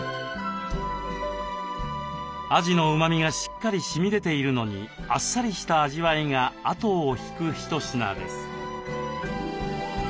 アジのうまみがしっかりしみ出ているのにあっさりした味わいがあとを引く一品です。